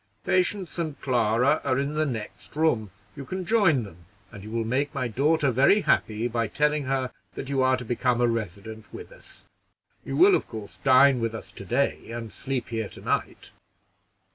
Patience and Clara are in the next room. You can join them, and you will make my daughter very happy by telling her that you are to become a resident with us. You will, of course, dine with us to day, and sleep here to night."